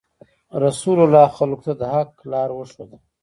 رسول الله خلکو ته د حق لار وښوده.